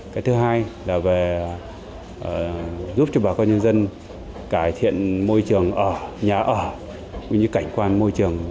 cái thứ hai là về giúp cho bà con nhân dân cải thiện môi trường ở nhà ở